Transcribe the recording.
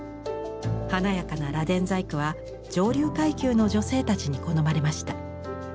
華やかな螺鈿細工は上流階級の女性たちに好まれました。